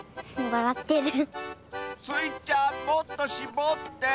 わらってる？